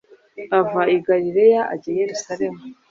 ava i Galiliya ajya i Yerusalemu,